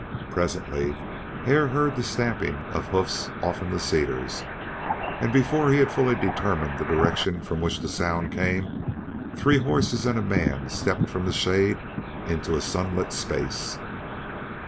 Presently Hare heard the stamping of hoofs off in the cedars, and before he had fully determined the direction from which the sound came three horses and a man stepped from the shade into a sunlit space.